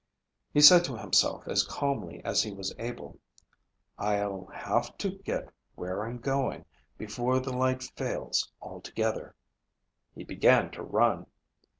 He said to himself as calmly as he was able, "I'll have to get where I'm going before the light fails altogether." He began to run.